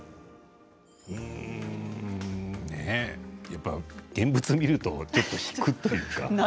やっぱり現物を見るとちょっと引くというか。